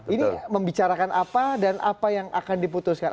ini membicarakan apa dan apa yang akan diputuskan